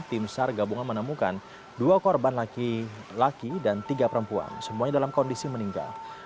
tim sar gabungan menemukan dua korban laki laki dan tiga perempuan semuanya dalam kondisi meninggal